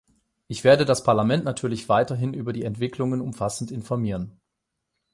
Ich werde das Parlament natürlich weiterhin über die Entwicklungen umfassend informieren.